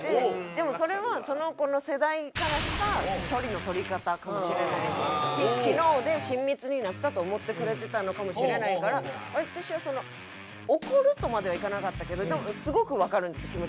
でもそれはその子の世代からした距離の取り方かもしれないし昨日で親密になったと思ってくれてたのかもしれないから私は怒るとまではいかなかったけどでもすごくわかるんです気持ち。